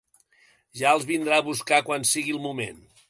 Ja els vindrà a buscar quan sigui el moment.